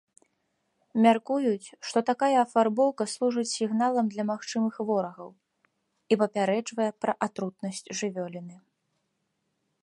Мяркуюць, што такая афарбоўка служыць сігналам для магчымых ворагаў і папярэджвае пра атрутнасць жывёліны.